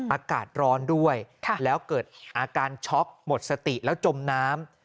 อากาศร้อนด้วยแล้วเกิดอาการช็อกหมดสติแล้วจมน้ำ